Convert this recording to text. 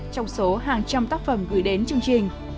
trong số hàng trăm tác phẩm gửi đến chương trình